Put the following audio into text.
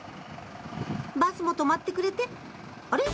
バスも止まってくれてあれ？